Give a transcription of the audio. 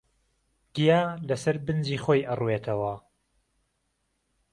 گیا لهسهر بنجی خۆی ئهڕوێتهوه